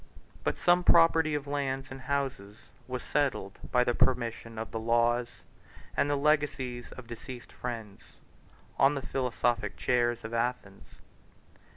But some property of lands and houses was settled by the permission of the laws, and the legacies of deceased friends, on the philosophic chairs of Athens.